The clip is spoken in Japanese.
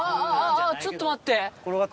ちょっと待って。